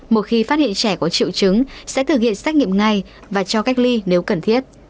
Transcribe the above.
một khi phát hiện trẻ có triệu chứng sẽ thực hiện xét nghiệm ngay và cho cách ly nếu cần thiết